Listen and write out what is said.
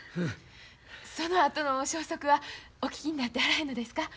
そのあとの消息はお聞きになってはらへんのですか？